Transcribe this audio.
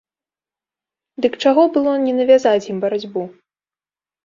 Дык чаго было не навязаць ім барацьбу?